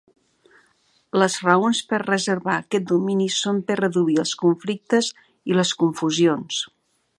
Les raons per reservar aquest domini són per reduir els conflictes i les confusions.